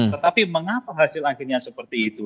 tetapi mengapa hasil akhirnya seperti itu